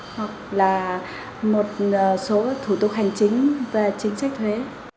hoặc là một số thủ tục hành chính về chính sách thuế